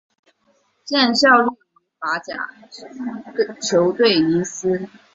现效力于法甲球队尼斯。